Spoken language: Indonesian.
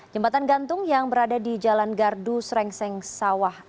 jembatan gantung yang berada di jalan gardu srengseng sawah